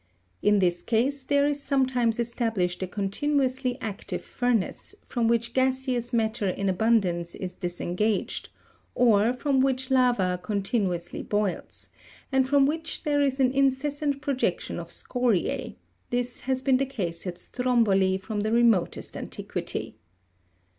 In this case there is sometimes established a continuously active furnace, from which gaseous matter in abundance is disengaged, or from which lava continu ously boils, and from which there is an incessant projection of scoriae ; this has been the case at Stromboli from the remotest antiquity.